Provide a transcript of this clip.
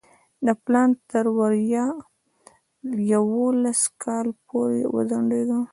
دا پلان تر ویا یوولس کال پورې وځنډېد.